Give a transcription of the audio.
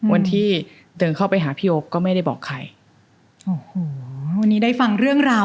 วันที่เดินเข้าไปหาพี่โอ๊คก็ไม่ได้บอกใคร